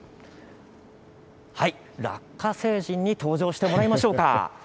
ラッカ星人に登場してもらいましょう。